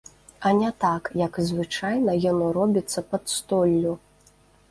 А не так, як звычайна яно робіцца пад столлю.